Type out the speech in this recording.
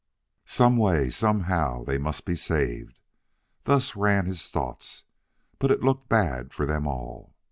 Some way, somehow, they must be saved thus ran his thoughts but it looked bad for them all.